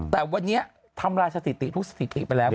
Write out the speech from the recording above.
แต่วันนี้ทำลายสถิติทุกสถิติไปแล้ว